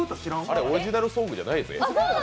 あれ、オリジナルソングじゃないですよ。